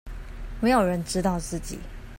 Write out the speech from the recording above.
沒有人知道自己